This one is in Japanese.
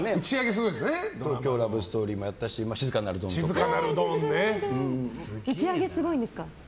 「東京ラブストーリー」もやったし打ち上げ、すごいんですか？